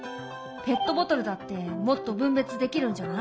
ペットボトルだってもっと分別できるんじゃない？